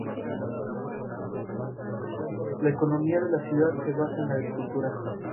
Chris Britton